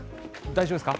大丈夫ですか？